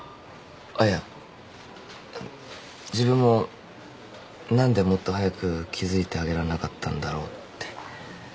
あっいやあの自分も何でもっと早く気付いてあげらんなかったんだろうって。